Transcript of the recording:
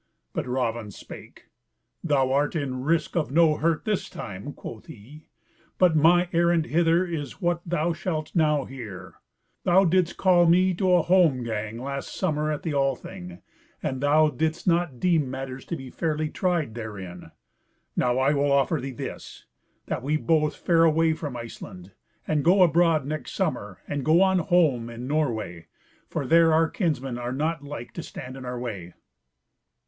But Raven spake, "Thou art in risk of no hurt this time," quoth he, "but my errand hither is what thou shalt now hear: Thou didst call me to a holmgang last summer at the Althing, and thou didst not deem matters to be fairly tried therein; now I will offer thee this, that we both fare away from Iceland, and go abroad next summer, and go on holm in Norway, for there our kinsmen are not like to stand in our way."